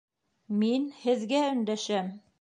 Мин һеҙгә өндәшәм!